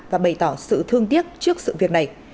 và bày tỏ sự thương tiếc trước sự việc này